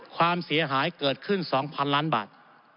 ความเสียหายเกิดขึ้น๒๐๐๐ล้านบาท